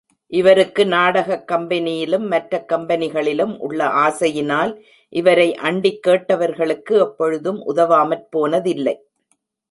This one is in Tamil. இவருக்கு நாடகக் கம்பெனியிலும் மற்றக் கம்பெனிகளிலும் உள்ள ஆசையினால், இவரை அண்டிக் கேட்டவர்களுக்கு, எப்பொழுதும் உதவாமற் போனதில்லை.